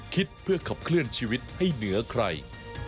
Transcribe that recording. คิดเพื่อขับเคลื่อนชีวิตให้เหนือใคร